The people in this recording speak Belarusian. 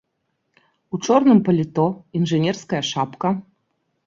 У чорным паліто, інжынерская шапка.